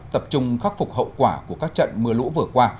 tập trung khắc phục hậu quả của các trận mưa lũ vừa qua